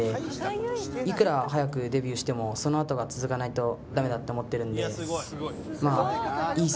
いくら早くデビューしてもそのあとが続かないとダメだって思ってるんで。